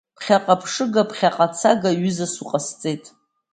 Ԥхьаҟа ԥшыга, ԥхьаҟа цага, ҩызас уҟасҵеит.